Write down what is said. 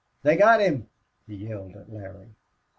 "They got him!" he yelled at Larry.